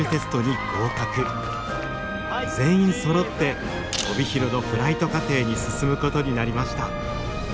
全員そろって帯広のフライト課程に進むことになりました。